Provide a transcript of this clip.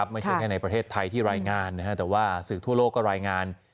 ไม่ใช่แค่ในประเทศไทยที่รายงานแต่ว่าสื่อทั่วโลกก็รายงาน